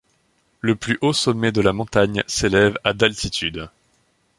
Le plus haut sommet de la montagne s'élève à d'altitude.